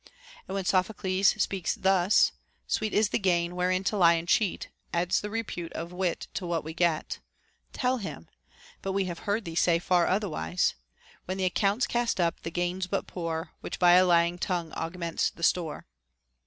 And when Sophocles speaks thus, Sweet is the gain, wherein to lie and cheat Adds the repute of wit to what we get, tell him : But we have heard thee say far otherwise, When the account's cast up, the gain's but poor Which by a lying tongue augments the store.